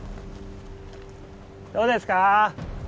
どうですか？